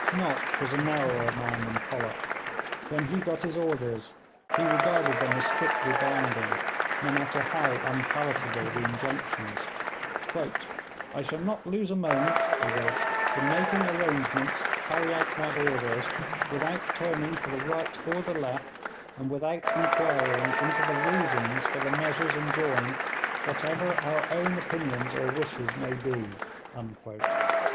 Nott was a narrower man than Pollock. When he got his orders he regarded them as strictly binding, no matter how unpalatable the injunctions. 'I shall not lose a moment,' he wrote, 'in making arrangements to carry out my orders, without turning to the right or the left, and without inquiring into the reasons for the measures enjoined, whatever our own opinions or wishes may be.'